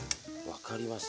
分かりました。